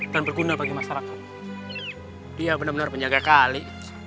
dan berguna bagi masyarakat dia benar benar penyaga kali